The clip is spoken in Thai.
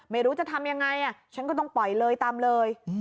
ไม่รู้จะทำยังไงฉันก็ต้องปล่อยเลยตามเลย